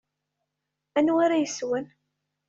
Anwa ara yeswen?